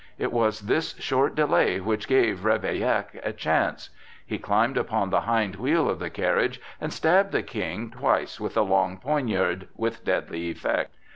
It was this short delay which gave Ravaillac a chance: he climbed upon the hind wheel of the carriage and stabbed the King twice with a long poniard, with deadly effect.